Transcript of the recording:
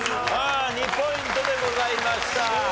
２ポイントでございました。